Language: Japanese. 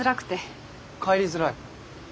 帰りづらい？